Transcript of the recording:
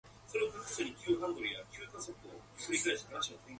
It is not known whether Bell's diet contributed to his cancer.